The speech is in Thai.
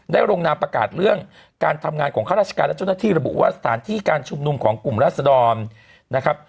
ลงนามประกาศเรื่องการทำงานของข้าราชการและเจ้าหน้าที่ระบุว่าสถานที่การชุมนุมของกลุ่มราศดรนะครับ